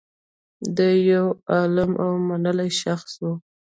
دی یو عالم او منلی شخص و